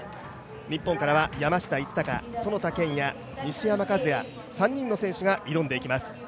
日本からは山下一貴、其田健也西山和弥、３人の選手が挑んでいきます。